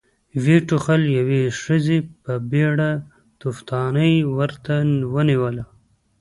ويې ټوخل، يوې ښځې په بيړه توفدانۍ ورته ونېوله.